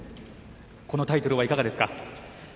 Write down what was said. このタイトルはいかがですか？